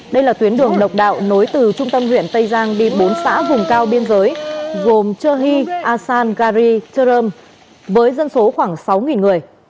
đây là tuyến đường độc đạo nối từ trung tâm huyện tây giang đi bốn xã vùng cao biên giới gồm chơ hy a san ga ri chơ rơm với dân số khoảng sáu người